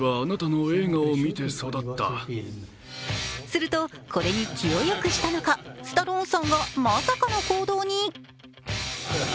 すると、これに気をよくしたのか、スタローンさんがまさかの行動に。